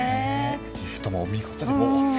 リフトも見事で。